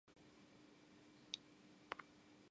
大岡越前